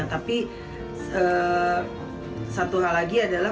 tapi satu hal lagi adalah